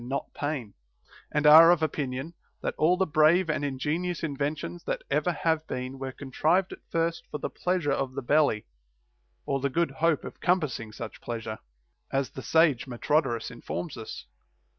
160 PLEASURE NOT ATTAINABLE pain ; and are of opinion, that all the brave and ingenious inventions that ever have been were contrived at first for the pleasure of the belly, or the good hope of compassing such pleasure, — as the sage Metrodorus informs us.